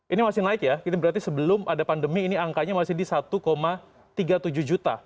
ini masih naik ya berarti sebelum ada pandemi ini angkanya masih di satu tiga puluh tujuh juta